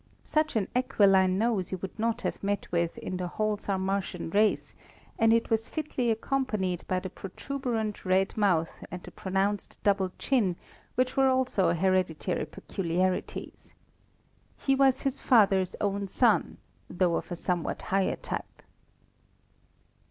Such an aquiline nose you would not have met with in the whole Sarmatian race, and it was fitly accompanied by the protuberant red mouth and the pronounced double chin, which were also hereditary peculiarities. He was his father's own son, though of a somewhat higher type.